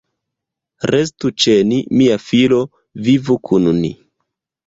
Restu ĉe ni, mia filo, vivu kun ni.